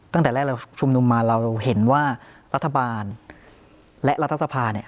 ตั้งแต่แรกเราชุมนุมมาเราเห็นว่ารัฐบาลและรัฐสภาเนี่ย